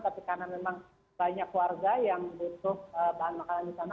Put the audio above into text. tapi karena memang banyak warga yang butuh bahan makanan di sana